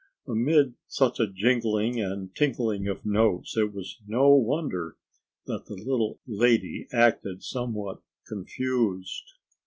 Amid such a jingling and tinkling of notes it was no wonder that the little lady acted somewhat confused.